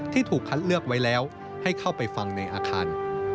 ถูกคัดเลือกไว้แล้วให้เข้าไปฟังในอาคาร